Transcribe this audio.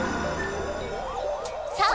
さあ！